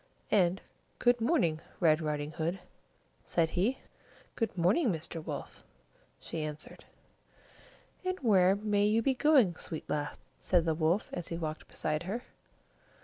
And "Good morning, Red Riding Hood," said he. "Good morning, Mr. Wolf," she answered. "And where may you be going, sweet lass?" said the Wolf, as he walked beside her.